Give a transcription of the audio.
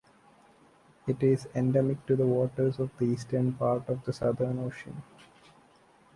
It is endemic to the waters of the eastern part of the Southern Ocean.